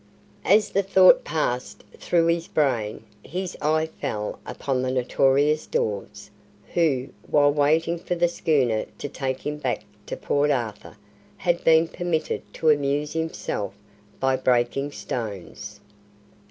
As the thought passed through his brain, his eye fell upon the "notorious Dawes", who, while waiting for the schooner to take him back to Port Arthur, had been permitted to amuse himself by breaking stones.